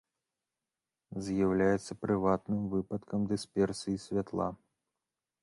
З'яўляецца прыватным выпадкам дысперсіі святла.